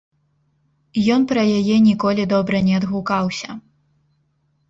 Ён пра яе ніколі добра не адгукаўся.